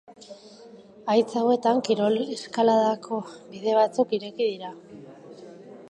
Haitz hauetan, kirol eskaladako bide batzuk ireki dira.